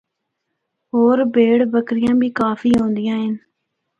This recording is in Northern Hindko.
ہور بھیڑ بکریاں بھی کافی ہوندیاں ہن۔